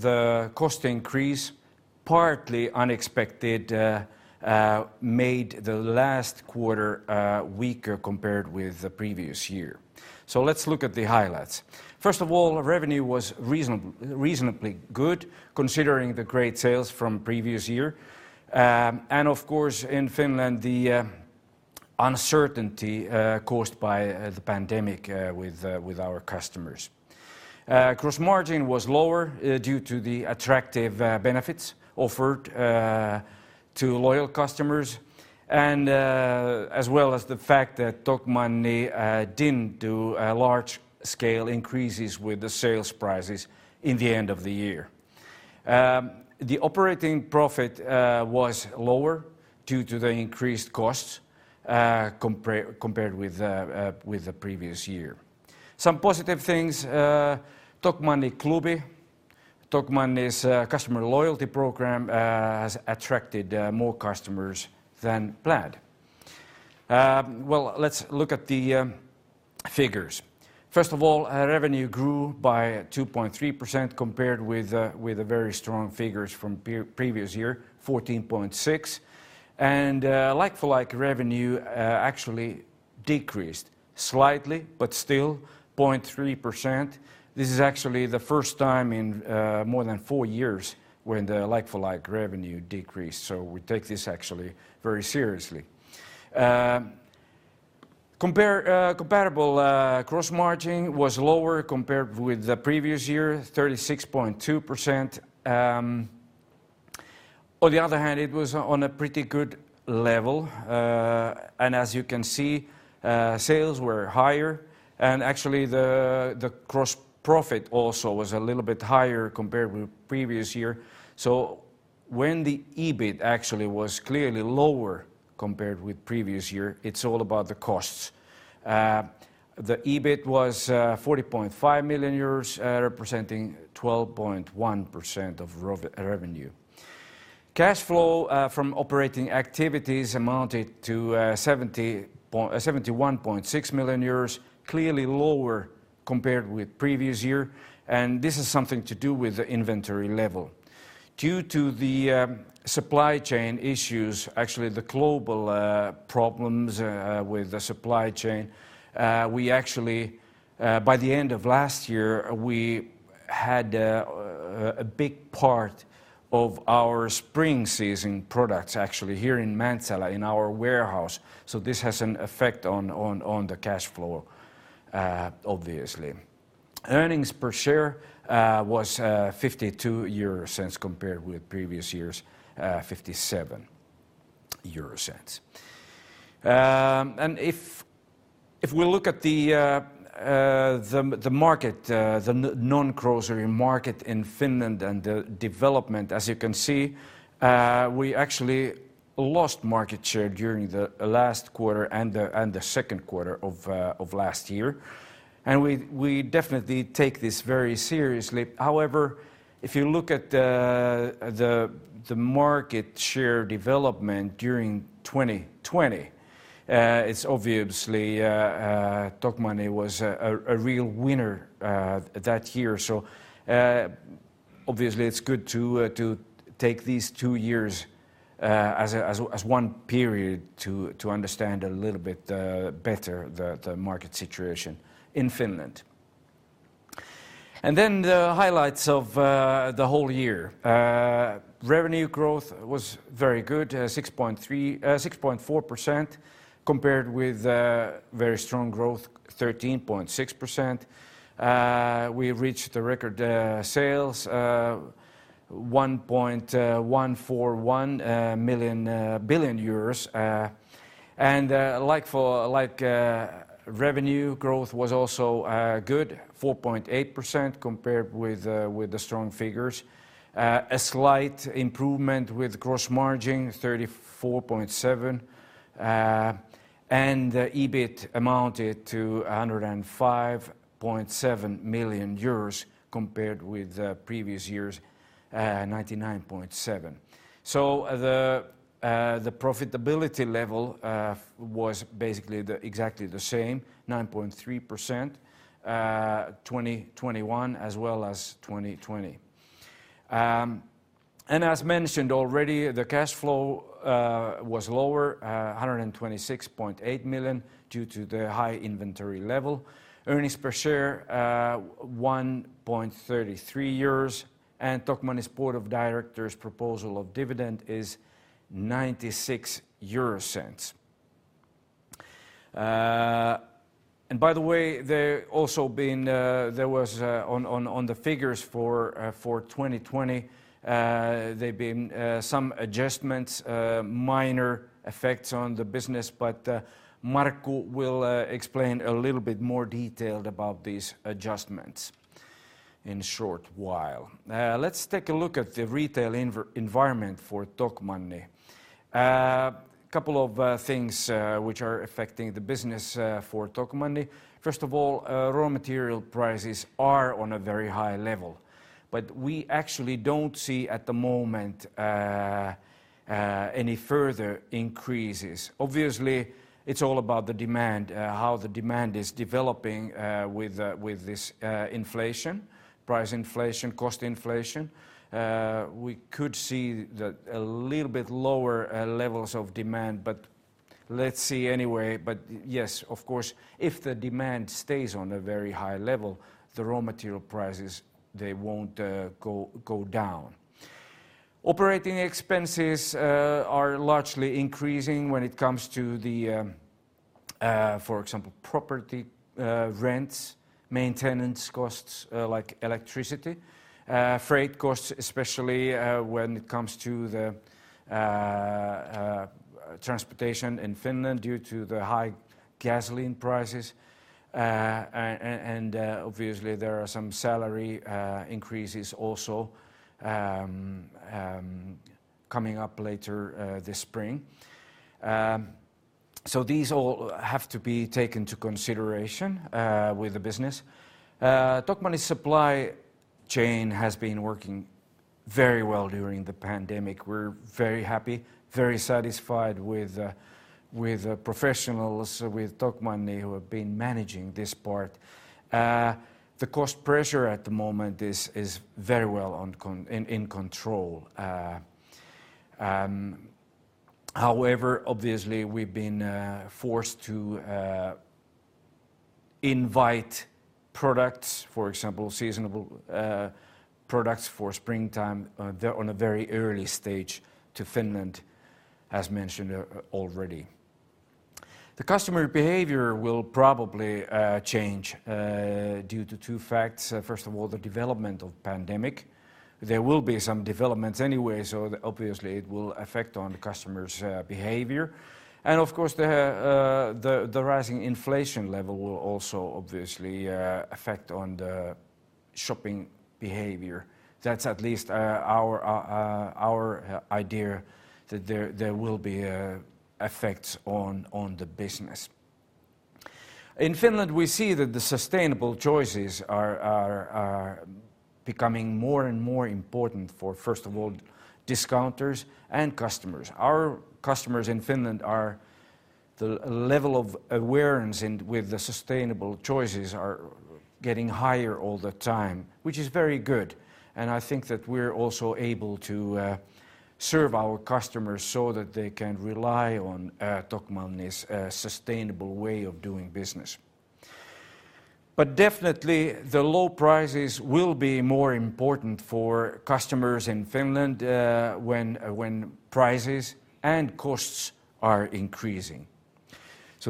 The cost increase, partly unexpected, made the last quarter weaker compared with the previous year. Let's look at the highlights. First of all, revenue was reasonably good considering the great sales from previous year, and of course in Finland the uncertainty caused by the pandemic with our customers. Gross margin was lower due to the attractive benefits offered to loyal customers and as well as the fact that Tokmanni didn't do large scale increases with the sales prices in the end of the year. The operating profit was lower due to the increased costs compared with the previous year. Some positive things. Tokmanni Klubi, Tokmanni's customer loyalty program, has attracted more customers than planned. Well, let's look at the figures. First of all, revenue grew by 2.3% compared with the very strong figures from previous year, 14.6%. Like-for-like revenue actually decreased slightly, but still 0.3%. This is actually the first time in more than four years when the like-for-like revenue decreased. So we take this actually very seriously. Comparable gross margin was lower compared with the previous year, 36.2%. On the other hand, it was on a pretty good level. As you can see, sales were higher and actually the gross profit also was a little bit higher compared with previous year. When the EBIT actually was clearly lower compared with previous year, it's all about the costs. The EBIT was 40.5 million euros, representing 12.1% of revenue. Cash flow from operating activities amounted to 71.6 million euros, clearly lower compared with previous year, and this is something to do with the inventory level. Due to the supply chain issues, actually the global problems with the supply chain, we actually, by the end of last year, we had a big part of our spring season products actually here in Mäntsälä in our warehouse. This has an effect on the cash flow, obviously. Earnings per share was 0.52 compared with previous year's 0.57. If we look at the non-grocery market in Finland and the development, as you can see, we actually lost market share during the last quarter and the second quarter of last year. We definitely take this very seriously. However, if you look at the market share development during 2020, it's obviously Tokmanni was a real winner that year. Obviously, it's good to take these two years as one period to understand a little bit better the market situation in Finland. Then, the highlights of the whole year. Revenue growth was very good, 6.4% compared with very strong growth, 13.6%. We reached the record sales 1.141 billion euros. Like-for-like revenue growth was also good, 4.8% compared with the strong figures. A slight improvement with gross margin, 34.7% and the EBIT amounted to 105.7 million euros compared with the previous year's 99.7 million. The profitability level was basically exactly the same, 9.3%, 2021 as well as 2020. As mentioned already, the cash flow was lower, 126.8 million due to the high inventory level. Earnings per share, 1.33 euros and Tokmanni's board of directors' proposal of dividend is 0.96. By the way, on the figures for 2020, there has been some adjustments, minor effects on the business, but Markku will explain a little bit more detailed about these adjustments in short while. Let's take a look at the retail environment for Tokmanni. A couple of things which are affecting the business for Tokmanni. First of all, raw material prices are on a very high level, but we actually don't see at the moment any further increases. Obviously, it's all about the demand, how the demand is developing with this inflation, price inflation, cost inflation. We could see a little bit lower levels of demand, but let's see anyway. Yes, of course, if the demand stays on a very high level, the raw material prices, they won't go down. Operating expenses are largely increasing when it comes to the, for example, property rents, maintenance costs, like electricity, freight costs, especially, when it comes to the, transportation in Finland due to the high gasoline prices. Obviously, there are some salary increases also, coming up later this spring. These all have to be taken into consideration with the business. Tokmanni's supply chain has been working very well during the pandemic. We're very happy, very satisfied with professionals with Tokmanni who have been managing this part. The cost pressure at the moment is very well in control. However, obviously, we've been forced to invite products, for example, seasonal products for springtime, they're in a very early stage to Finland, as mentioned already. The customer behavior will probably change due to two facts. First of all, the development of the pandemic. There will be some developments anyway, so obviously it will affect on the customer's behavior. Of course, the rising inflation level will also obviously affect on the shopping behavior. That's at least our idea that there will be effects on the business. In Finland, we see that the sustainable choices are becoming more and more important for, first of all, discounters and customers. Our customers in Finland, the level of awareness with the sustainable choices are getting higher all the time, which is very good. I think that we're also able to serve our customers so that they can rely on Tokmanni's sustainable way of doing business. Definitely, the low prices will be more important for customers in Finland when prices and costs are increasing.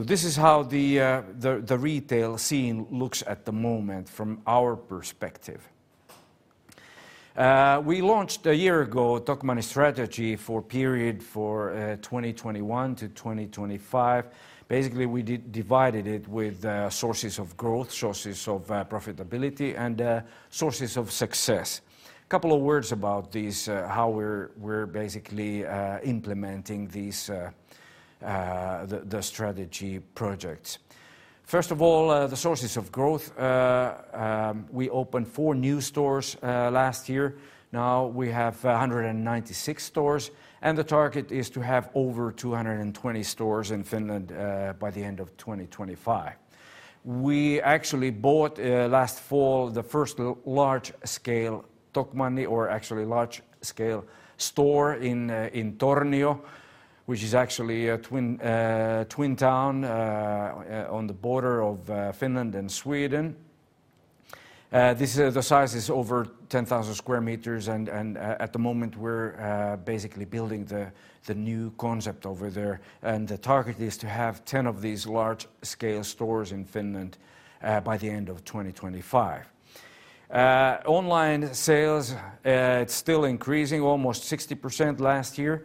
This is how the retail scene looks at the moment from our perspective. We launched a year ago the Tokmanni strategy for the period 2021 to 2025. Basically, we divided it with sources of growth, sources of profitability, and sources of success. A couple of words about these, how we're basically implementing these strategy projects. First of all, the sources of growth. We opened four new stores last year. Now, we have 196 stores, and the target is to have over 220 stores in Finland by the end of 2025. We actually bought last fall the first large-scale Tokmanni or actually large-scale store in Tornio, which is actually a twin town on the border of Finland and Sweden. The size is over 10,000 sq m and at the moment we're basically building the new concept over there. The target is to have 10 of these large-scale stores in Finland by the end of 2025. Online sales, it's still increasing almost 60% last year.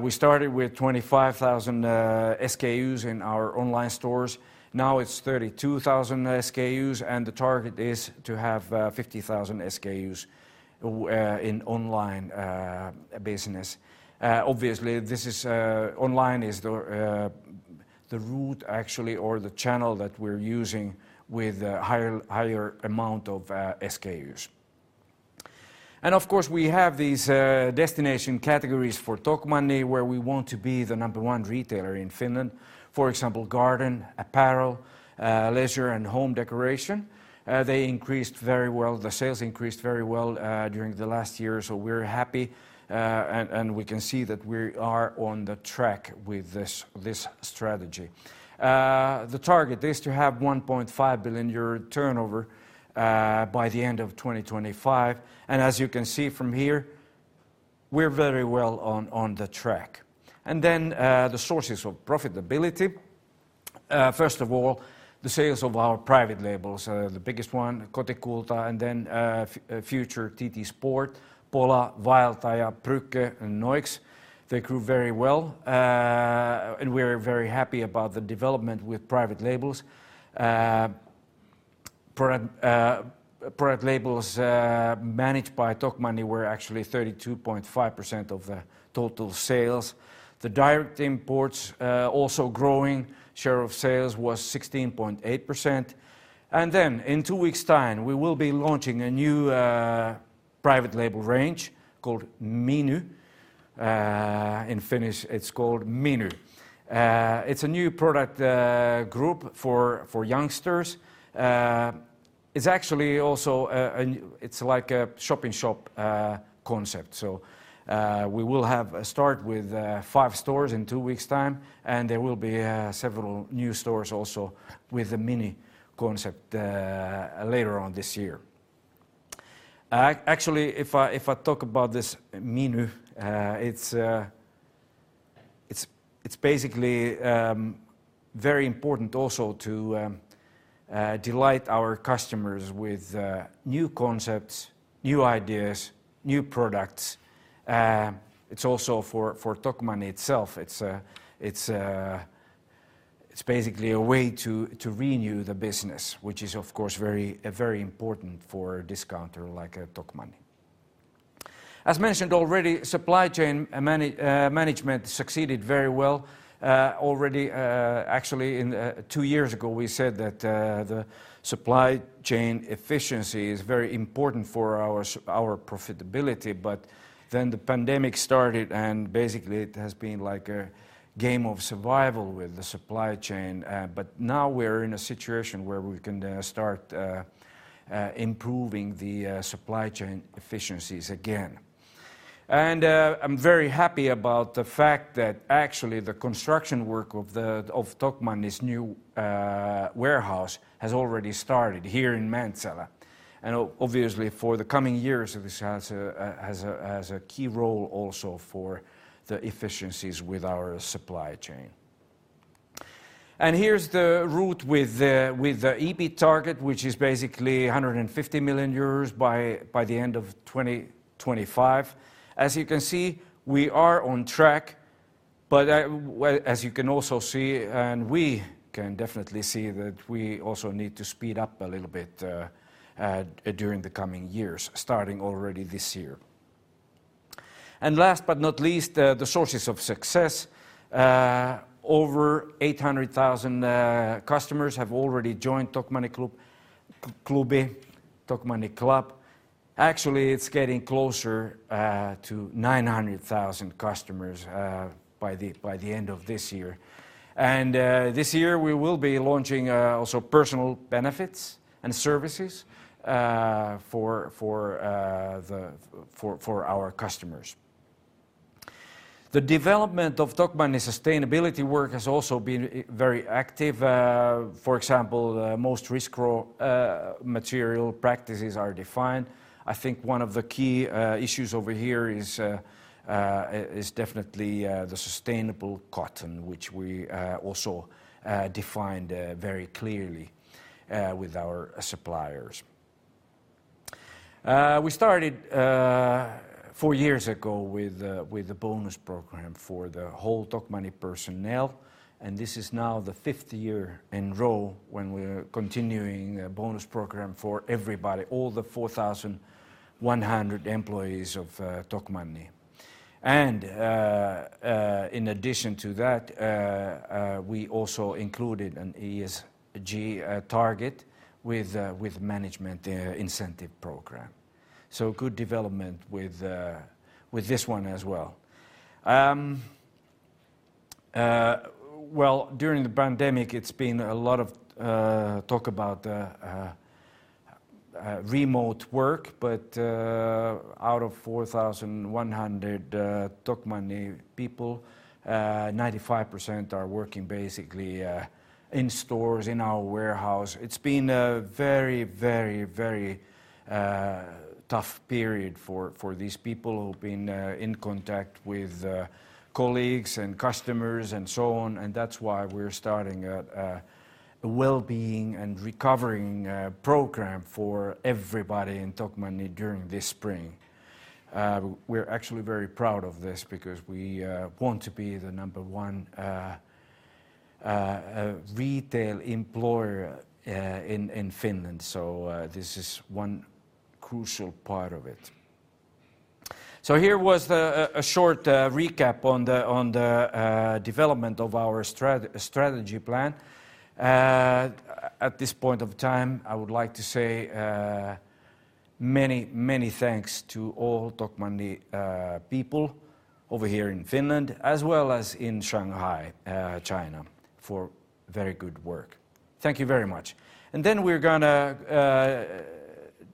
We started with 25,000 SKUs in our online stores. Now, it's 32,000 SKUs, and the target is to have 50,000 SKUs in online business. Obviously, this is online, the route actually or the channel that we're using with a higher amount of SKUs. Of course, we have these destination categories for Tokmanni, where we want to be the number one retailer in Finland, for example, garden, apparel, leisure, and home decoration. They increased very well. The sales increased very well during the last year, so we're happy, and we can see that we are on the track with this strategy. The target is to have 1.5 billion euro turnover by the end of 2025. As you can see from here, we're very well on the track. Then, the sources of profitability. First of all, the sales of our private labels, the biggest one, Kotikulta, and then, Future TT Sport, Pola, Vaeltaja, Brücke, and Noixx. They grew very well, and we are very happy about the development with private labels. Product labels managed by Tokmanni were actually 32.5% of the total sales. The direct imports also growing. Share of sales was 16.8%. Then, in two weeks time, we will be launching a new private label range called Miny. In Finnish, it's called Miny. It's a new product group for youngsters. It's actually also a shop-in-shop concept. We will start with five stores in two weeks' time, and there will be several new stores also with the Miny concept later on this year. Actually, if I talk about this Miny, it's basically very important also to delight our customers with new concepts, new ideas, new products. It's also for Tokmanni itself. It's basically a way to renew the business, which is of course very important for a discounter like Tokmanni. As mentioned already, supply chain management succeeded very well already. Actually, two years ago, we said that the supply chain efficiency is very important for our profitability. But then the pandemic started, and basically it has been like a game of survival with the supply chain. Now, we're in a situation where we can start improving the supply chain efficiencies again. I'm very happy about the fact that actually the construction work of Tokmanni's new warehouse has already started here in Mäntsälä. Obviously, for the coming years, this has a key role also for the efficiencies with our supply chain. Here's the route with the EBIT target, which is basically 150 million euros by the end of 2025. As you can see, we are on track. As you can also see, and we can definitely see, that we also need to speed up a little bit during the coming years, starting already this year. Last but not least, the sources of success. Over 800,000 customers have already joined Tokmanni Klubi, Tokmanni Club. Actually, it's getting closer to 900,000 customers by the end of this year. This year, we will be launching also personal benefits and services for our customers. The development of Tokmanni's sustainability work has also been very active. For example, most risky raw material practices are defined. I think one of the key issues over here is definitely the sustainable cotton, which we also defined very clearly with our suppliers. We started four years ago with a bonus program for the whole Tokmanni personnel, and this is now the fifth year in a row when we're continuing a bonus program for everybody, all the 4,100 employees of Tokmanni. In addition to that, we also included an ESG target with management incentive program. Good development with this one as well. Well, during the pandemic, it's been a lot of talk about remote work. Out of 4,100 Tokmanni people, 95% are working basically in stores, in our warehouse. It's been a very tough period for these people who've been in contact with colleagues and customers and so on. That's why we're starting a well-being and recovery program for everybody in Tokmanni during this spring. We're actually very proud of this because we want to be the number one retail employer in Finland. This is one crucial part of it. Here was a short recap on the development of our strategy plan. At this point of time, I would like to say many, many thanks to all Tokmanni people over here in Finland, as well as in Shanghai, China, for very good work. Thank you very much. We're gonna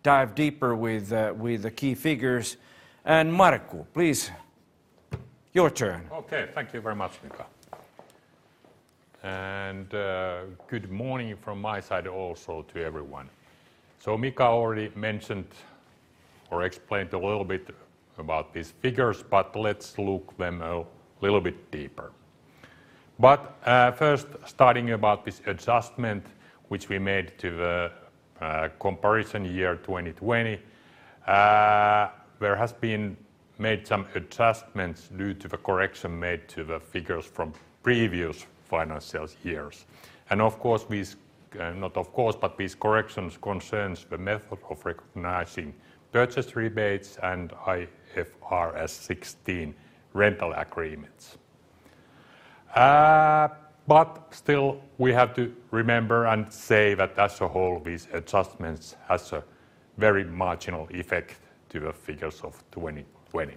dive deeper with the key figures. Markku, please, your turn. Okay. Thank you very much, Mika. Good morning from my side also to everyone. Mika already mentioned or explained a little bit about these figures, but let's look them a little bit deeper. First, starting about this adjustment which we made to the comparison year 2020. There has been some adjustments due to the correction made to the figures from previous financial years, but these corrections concerns the method of recognizing purchase rebates and IFRS 16 rental agreements. Still, we have to remember and say that as a whole, these adjustments has a very marginal effect to the figures of 2020.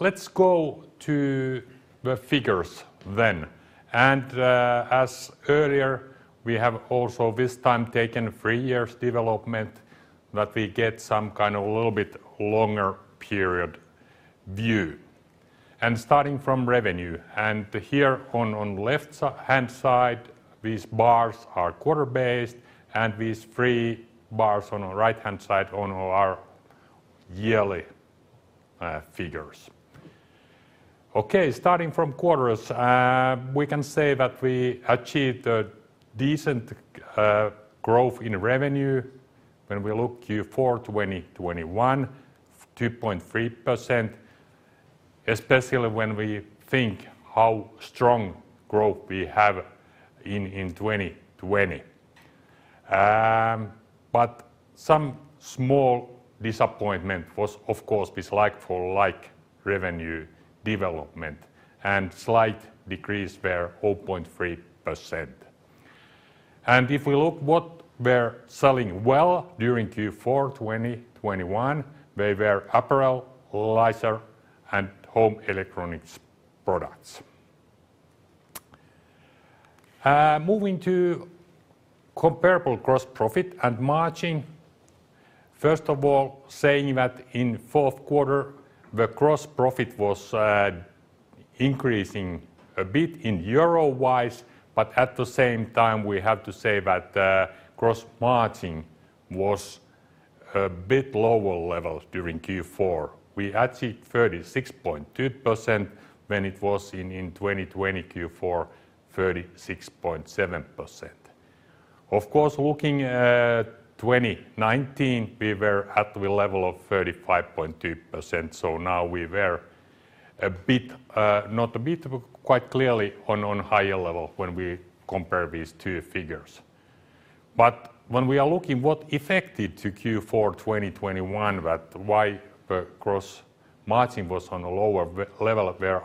Let's go to the figures then. As earlier, we have also this time taken three years development that we get some kind of a little bit longer period view. Starting from revenue, and here on the left-hand side, these bars are quarter-based, and these three bars on the right-hand side only are yearly figures. Okay, starting from quarters, we can say that we achieved a decent growth in revenue when we look at Q4 2021, 2.3%, especially when we think how strong growth we have in 2020. But some small disappointment was, of course, this like-for-like revenue development and slight decrease there, 0.3%. If we look what we're selling well during Q4 2021, they were apparel, leisure, and home electronics products. Moving to comparable gross profit and margin, first of all, saying that in fourth quarter, the gross profit was increasing a bit in euro-wise, but at the same time, we have to say that gross margin was a bit lower level during Q4. We achieved 36.2% when it was in 2020 Q4, 36.7%. Of course, looking at 2019, we were at the level of 35.2%, so now we were a bit, not a bit, but quite clearly on higher level when we compare these two figures. When we are looking what affected to Q4 2021 that why the gross margin was on a lower level, there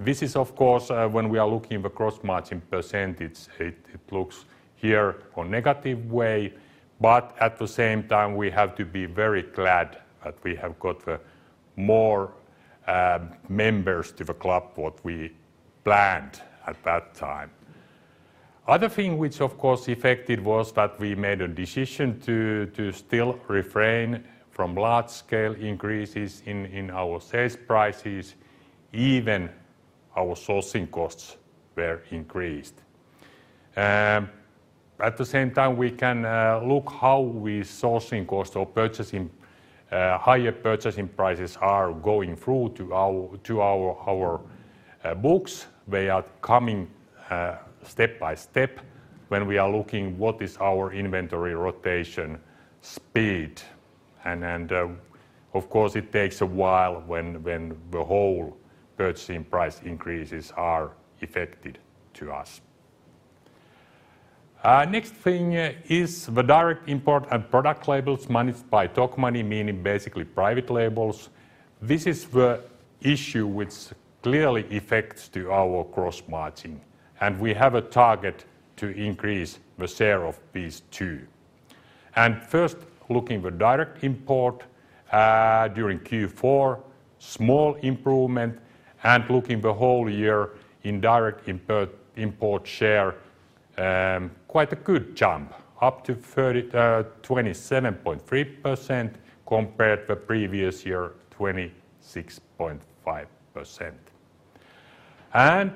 are two clear explanations behind on that. First of all, benefits what we offer to Tokmanni Club members affected. We offered very good discounts and also one-time discount when you join the club. This same effect was also during Q3 and then now Q4. This is of course when we are looking at the gross margin percentage, it looks here in a negative way, but at the same time we have to be very glad that we have got more members to the club than what we planned at that time. Other thing which of course affected was that we made a decision to still refrain from large scale increases in our sales prices, even our sourcing costs were increased. At the same time, we can look how we sourcing costs or higher purchasing prices are going through to our books. They are coming step by step when we are looking what is our inventory rotation speed. Then, of course it takes a while when the whole purchasing price increases are affected to us. Next thing is the direct import and product labels managed by Tokmanni, meaning basically private labels. This is the issue which clearly affects to our gross margin, and we have a target to increase the share of these two. First, looking at the direct import during Q4, small improvement, and looking at the whole year in direct import share, quite a good jump, up to 27.3% compared to previous year, 26.5%.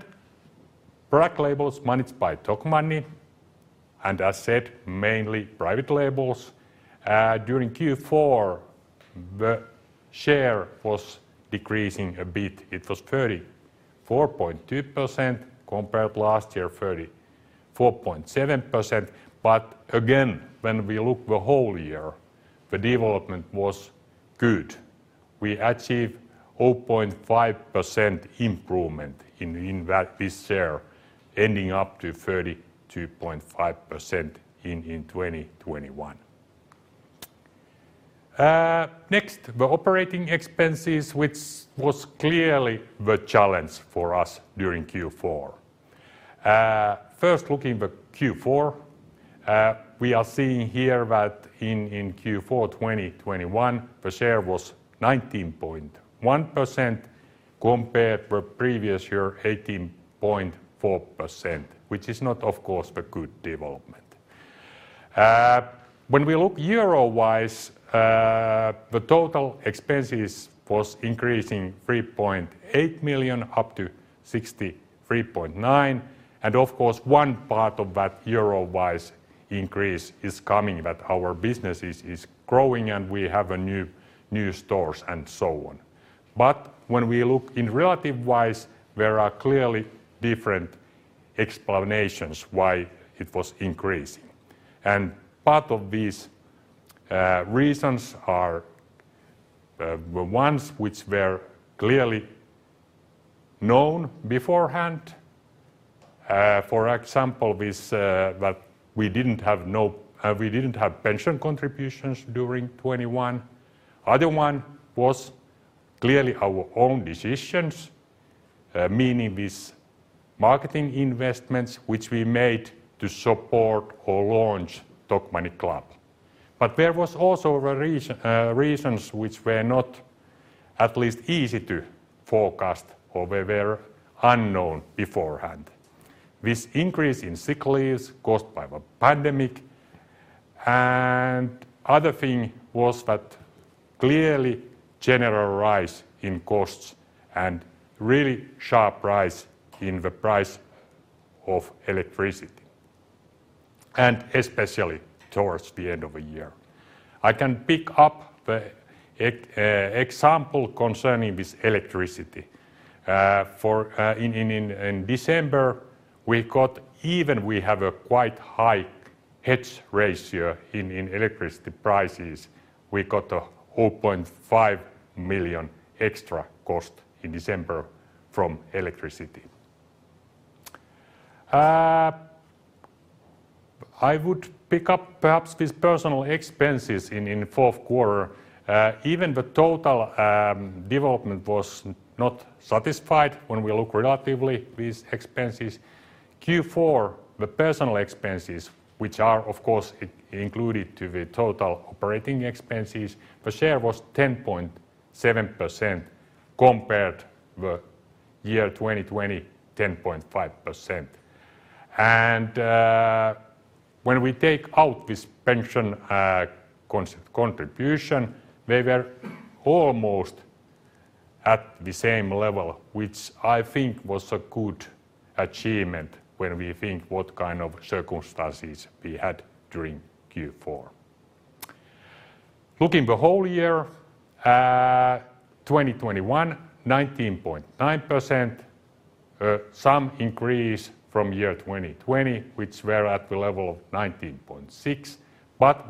Product labels managed by Tokmanni, and as said, mainly private labels. During Q4, the share was decreasing a bit. It was 34.2% compared to last year, 34.7%. Again, when we look at the whole year, the development was good. We achieved 0.5% improvement in this share, ending up to 32.5% in 2021. Next, the operating expenses, which was clearly the challenge for us during Q4. First, looking at the Q4, we are seeing here that in Q4 2021, the share was 19.1% compared to the previous year, 18.4%, which is not, of course, the good development. When we look euro-wise, the total expenses was increasing 3.8 million up to 63.9 million, and of course one part of that euro-wise increase is coming from the fact that our business is growing and we have new stores and so on. When we look in relative-wise, there are clearly different explanations why it was increased and part of these reasons are the ones which were clearly known beforehand, for example, that we didn't have pension contributions during 2021. Other one was clearly our own decisions, meaning these marketing investments which we made to support or launch Tokmanni Club. There was also reasons which were not at least easy to forecast or were unknown beforehand. This increase in sick leaves caused by the pandemic, and other thing was that clearly general rise in costs and really sharp rise in the price of electricity, and especially towards the end of the year. I can pick up the example concerning this electricity. In December, even we have a quite high hedge ratio in electricity prices. We got EUR 0.5 million extra cost in December from electricity. I would pick up perhaps these personnel expenses in fourth quarter. Even the total development was not satisfactory when we look relatively at these expenses. Q4, the personnel expenses, which are, of course, included in the total operating expenses, the share was 10.7% compared to the year 2020, 10.5%. When we take out this pension contribution, they were almost at the same level, which I think was a good achievement when we think what kind of circumstances we had during Q4. Looking at the whole year, 2021, 19.9%, some increase from year 2020, which was at the level of 19.6%.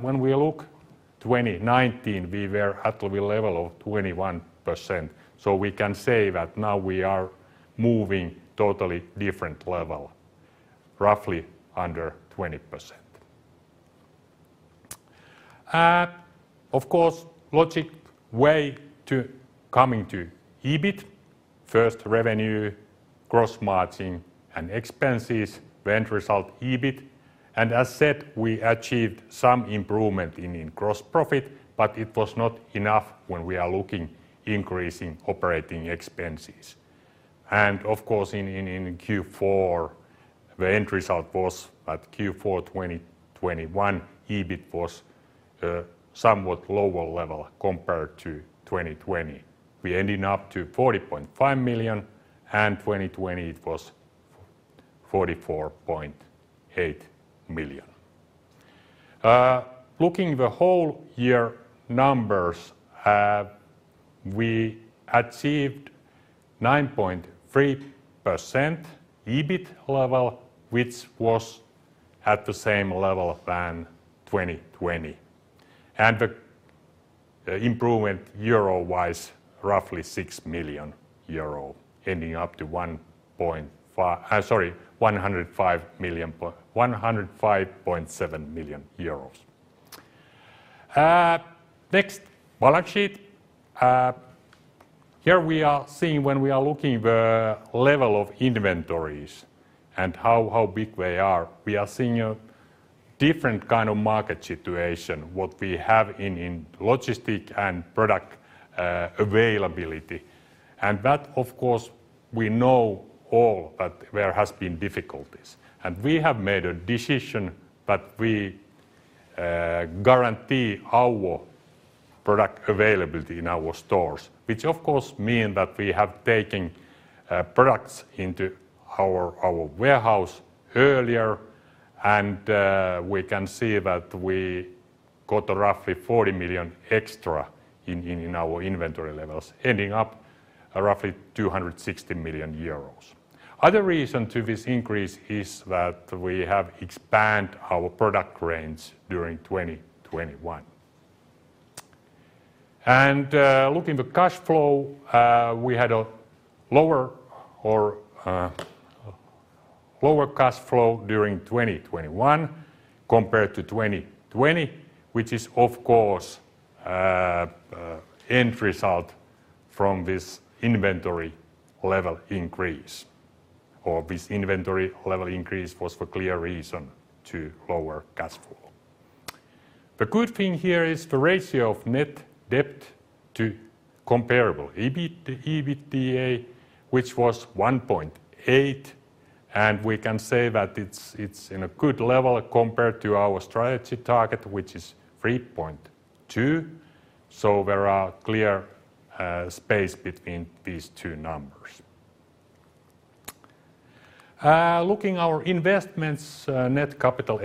When we look at 2019, we were at the level of 21%. We can say that now we are moving to a totally different level, roughly under 20%. Of course, logical way to coming to EBIT. First, revenue, gross margin, and expenses, the end result EBIT and as said, we achieved some improvement in gross profit, but it was not enough when we are looking at increase in operating expenses. Of course, in Q4, the end result was at Q4 2021, EBIT was somewhat lower level compared to 2020. We ended up at 40.5 million, and 2020 it was 44.8 million. Looking at the whole year numbers, we achieved 9.3% EBIT level, which was at the same level than 2020. The improvement euro-wise, roughly 6 million euro, ending up to 105.7 million euros. Next, balance sheet. Here we are seeing when we are looking at the level of inventories and how big they are, we are seeing a different kind of market situation than what we have in logistics and product availability. That, of course, we know all that there has been difficulties. We have made a decision that we guarantee our product availability in our stores, which, of course, means that we have taken products into our warehouse earlier, and we can see that we got roughly 40 million extra in our inventory levels, ending up roughly 260 million euros. Other reason for this increase is that we have expanded our product range during 2021. Looking at the cash flow, we had a lower cash flow during 2021 compared to 2020, which is, of course, the end result from this inventory level increase, this inventory level increase was the clear reason for lower cash flow. The good thing here is the ratio of net debt to comparable EBIT to EBITDA, which was 1.8, and we can say that it's in a good level compared to our strategy target, which is 3.2. There is clear space between these two numbers. Looking at our investments, net capital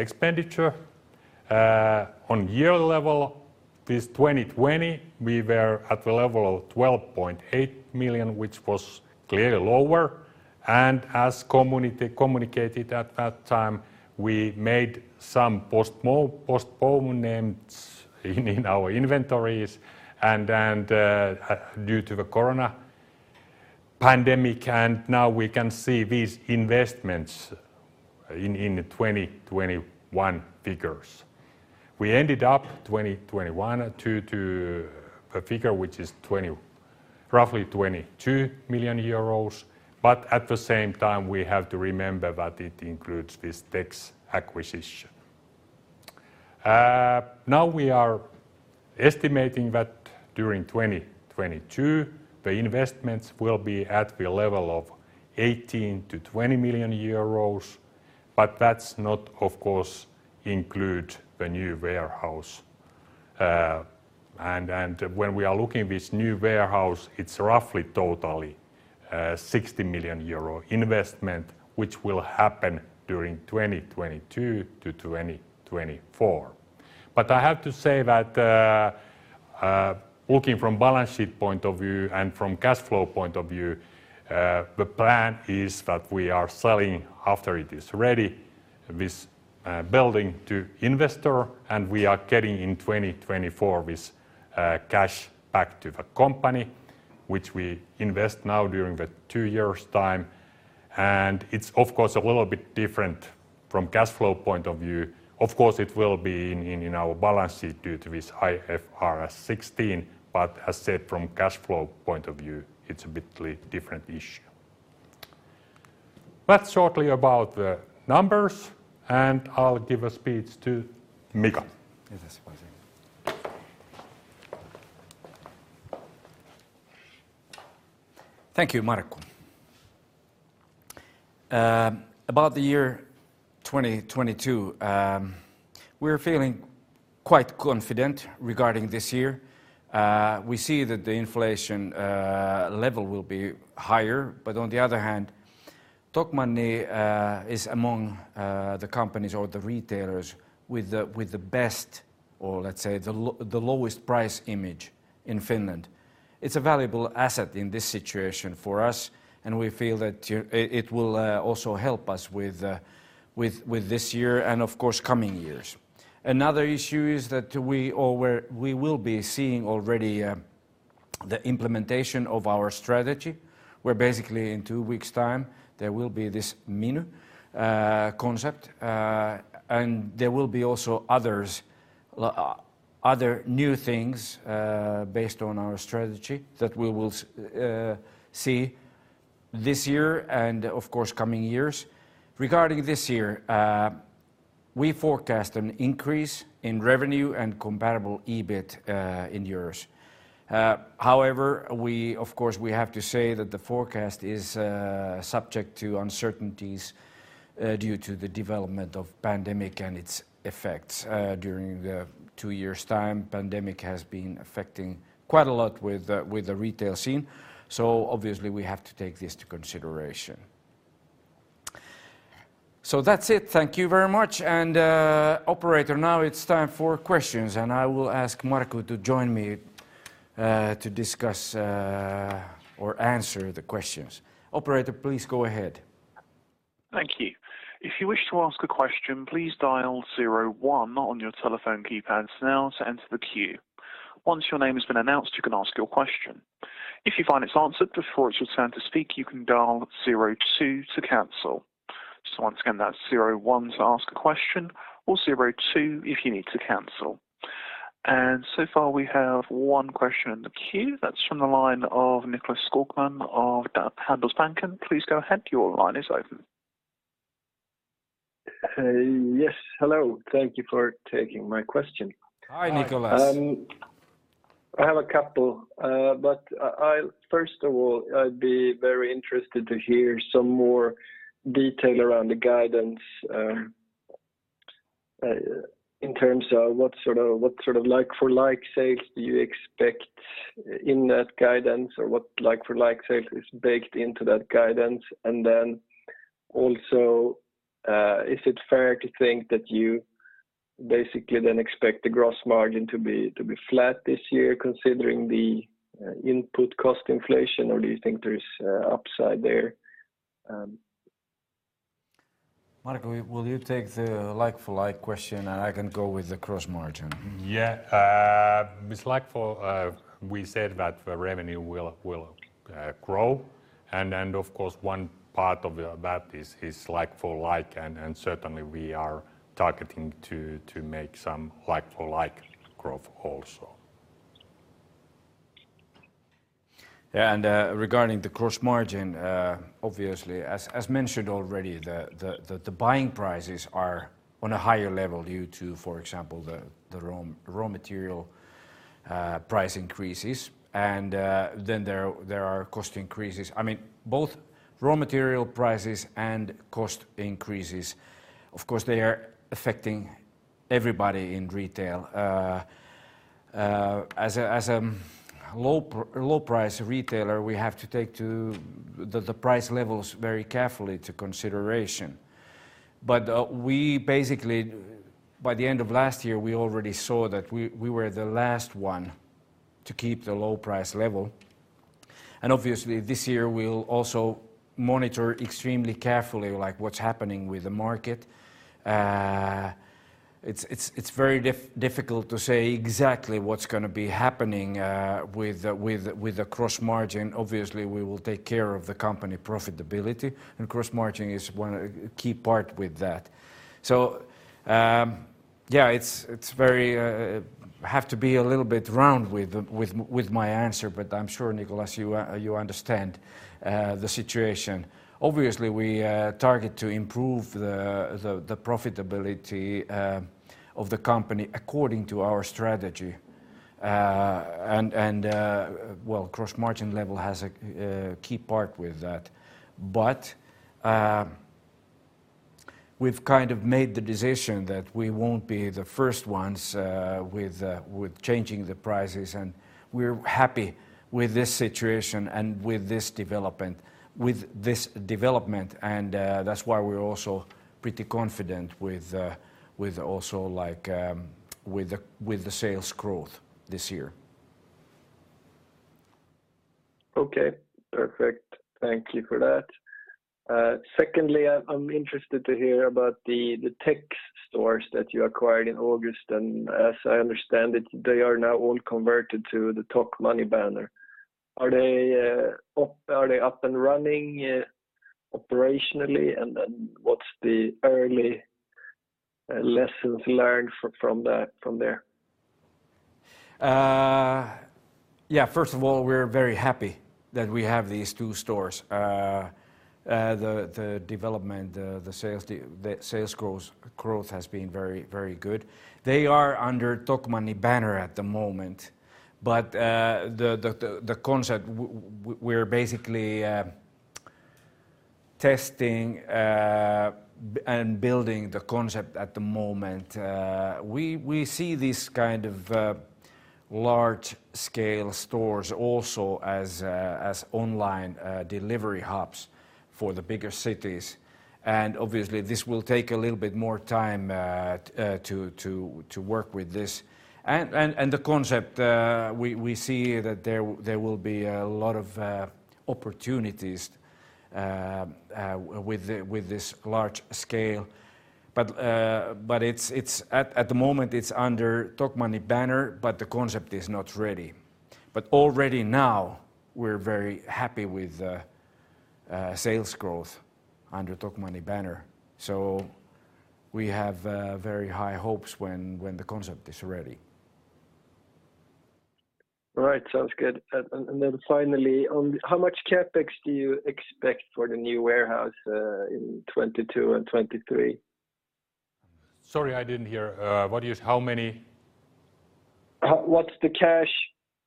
expenditure, on year level, in 2020, we were at the level of EUR 12.8 million, which was clearly lower. As commonly communicated at that time, we made some postponements in our inventories and due to the corona pandemic and now we can see these investments in the 2021 figures. We ended up in 2021 with a figure which is roughly 22 million euros, but at the same time, we have to remember that it includes this TEX acquisition. Now, we are estimating that during 2022, the investments will be at the level of 18 to 20 million, but that's not, of course, including the new warehouse. And when we are looking at this new warehouse, it's roughly total 60 million euro investment, which will happen during 2022-2024. But I have to say that looking from balance sheet point of view and from cash flow point of view, the plan is that we are selling after it is ready, this building, to investor and we are getting in 2024 this cash back to the company, which we invest now during the two years' time, and it's, of course, a little bit different from cash flow point of view. Of course, it will be in our balance sheet due to this IFRS 16, but as said, from cash flow point of view, it's a bit different issue. That's shortly about the numbers, and I'll give a speech to Mika. Thank you, Markku. About the year 2022, we're feeling quite confident regarding this year. We see that the inflation level will be higher, but on the other hand, Tokmanni is among the companies or the retailers with the best or let's say the lowest price image in Finland. It's a valuable asset in this situation for us, and we feel that it will also help us with this year and of course coming years. Another issue is that we will be seeing already the implementation of our strategy, where basically in two weeks' time there will be this Miny concept, and there will be also other new things based on our strategy that we will see this year and of course coming years. Regarding this year, we forecast an increase in revenue and comparable EBIT in euros. However, of course, we have to say that the forecast is subject to uncertainties due to the development of pandemic and its effects during the two years' time. Pandemic has been affecting quite a lot with the retail scene, so obviously we have to take this into consideration. That's it. Thank you very much. Operator, now it's time for questions, and I will ask Markku to join me to discuss or answer the questions. Operator, please go ahead. Thank you. If you wish to ask a question, please dial zero one on your telephone keypads now to enter the queue. Once your name has been announced, you can ask your question. If you find it's answered before it's your turn to speak, you can dial zero two to cancel. Once again, that's zero one to ask a question or zero two if you need to cancel. So far, we have one question in the queue. That's from the line of Nicklas Skogman of Handelsbanken. Please go ahead. Your line is open. Yes, hello. Thank you for taking my question. Hi, Nicklas. I have a couple, but first of all, I'd be very interested to hear some more detail around the guidance, in terms of what sort of like-for-like sales do you expect in that guidance or what like-for-like sales is baked into that guidance? Then also, is it fair to think that you basically then expect the gross margin to be flat this year considering the input cost inflation, or do you think there is upside there? Markku, will you take the like-for-like question, and I can go with the gross margin? Yeah. With like-for-like, we said that the revenue will grow, and of course, one part of that is like-for-like and certainly we are targeting to make some like-for-like growth also. Regarding the gross margin, obviously as mentioned already, the buying prices are on a higher level due to, for example, the raw material price increases and then there are cost increases. I mean, both raw material prices and cost increases, of course, they are affecting everybody in retail. As a low-price retailer, we have to take the price levels very carefully into consideration. We basically, by the end of last year, already saw that we were the last one to keep the low price level. Obviously, this year we'll also monitor extremely carefully like what's happening with the market. It's very difficult to say exactly what's gonna be happening with the gross margin. Obviously, we will take care of the company profitability, and gross margin is one of a key part with that. I have to be a little bit round with my answer, but I'm sure, Nicklas, you understand the situation. Obviously, we target to improve the profitability of the company according to our strategy. Gross margin level has a key part with that. We've kind of made the decision that we won't be the first ones with changing the prices, and we're happy with this situation and with this development. That's why we're also pretty confident with also, like, with the sales growth this year. Okay. Perfect. Thank you for that. Secondly, I'm interested to hear about the TEX stores that you acquired in August. As I understand it, they are now all converted to the Tokmanni banner. Are they up and running operationally? And then, what's the early lessons learned from there? Yeah, first of all, we're very happy that we have these two stores. The development, the sales growth has been very good. They are under Tokmanni banner at the moment. The concept, we're basically testing and building the concept at the moment. We see these kind of large scale stores also as online delivery hubs for the bigger cities. Obviously, this will take a little bit more time to work with this. The concept we see that there will be a lot of opportunities with this large scale. At the moment, it's under Tokmanni banner, but the concept is not ready. Already now we're very happy with the sales growth under Tokmanni banner. So we have very high hopes when the concept is ready. All right. Sounds good. Finally, how much CapEx do you expect for the new warehouse in 2022 and 2023? Sorry, I didn't hear. What is how many? What's the cash?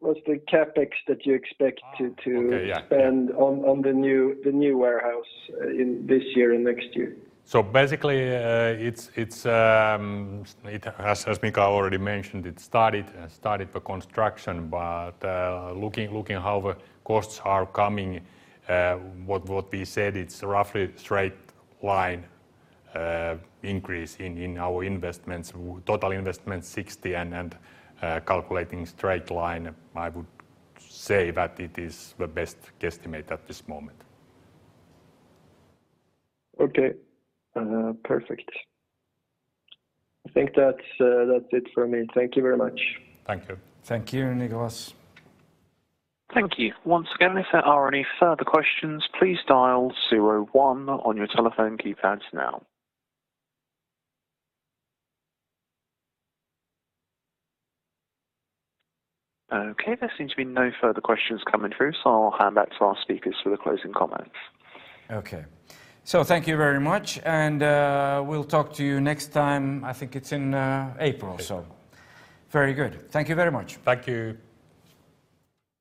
What's the CapEx that you expect to Okay. Yeah... to spend on the new warehouse in this year and next year? Basically, it's as Mika already mentioned, it started the construction. Looking how the costs are coming, what we said, it's roughly straight line increase in our investments. Total investment 60, calculating straight line, I would say that it is the best guesstimate at this moment. Okay. Perfect. I think that's it for me. Thank you very much. Thank you. Thank you, Nicklas. Thank you. Once again, if there are any further questions, please dial zero one on your telephone keypads now. Okay, there seems to be no further questions coming through, so I'll hand back to our speakers for the closing comments. Okay. Thank you very much. We'll talk to you next time. I think it's in April or so. Very good. Thank you very much. Thank you.